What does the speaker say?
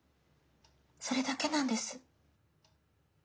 それだけなんです。